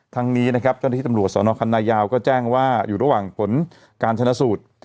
ทั้งนี้นะครับเจ้าหน้าที่ตำรวจสนคันนายาวก็แจ้งว่าอยู่ระหว่างผลการชนะสูตร